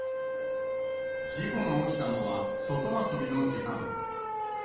事故が起きたのは、外遊びの時間。